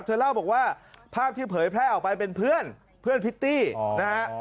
เธอเล่าบอกว่าภาพที่เผยแพร่ออกไปเป็นเพื่อนเพื่อนพิตตี้นะฮะ